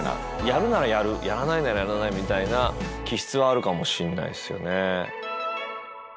やるならやるやらないならやらないみたいな気質はあるかもしれないっすよね。